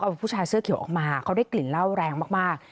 เอาผู้ชายเสื้อเขียวออกมาเขาได้กลิ่นเหล้าแรงมาก